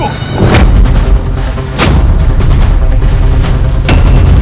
jangan lakukan itu